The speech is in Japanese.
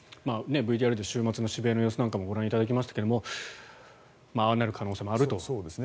ＶＴＲで週末の渋谷の様子ご覧いただきましたがああなる可能性もあるということですね。